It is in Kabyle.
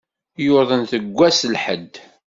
Yuḍen seg wass lḥedd.